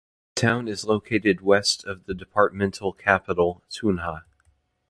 The town is located west of the departmental capital Tunja.